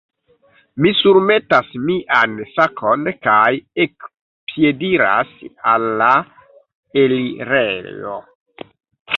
Mi surmetas mian sakon, kaj ekpiediras al la elirejo.